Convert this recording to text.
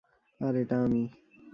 আর এটা আমি।